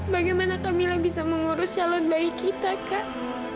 bagaimana kamilah bisa mengurus calon bayi kita kak